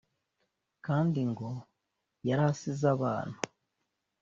kandi ngo yarasize abana